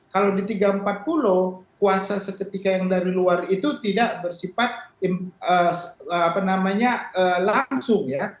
kalau di tiga ratus empat puluh kuasa seketika yang dari luar itu tidak bersifat langsung ya